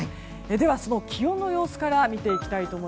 では気温の様子から見ていきます。